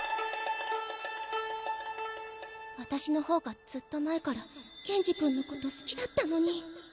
私の方がずっと前から謙二くんのこと好きだったのに。